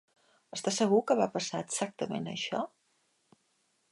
Està segur que va passar exactament això?